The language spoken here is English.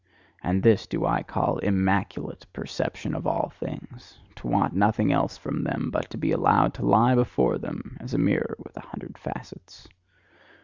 And this do I call IMMACULATE perception of all things: to want nothing else from them, but to be allowed to lie before them as a mirror with a hundred facets."